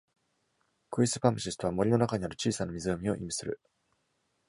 クイスパムシスとは、森の中にある小さな湖を意味する。